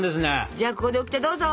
じゃあここでオキテどうぞ。